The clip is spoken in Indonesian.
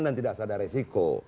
dan tidak sadar resiko